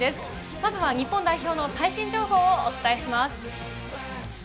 まずは日本代表の最新情報をお伝えします。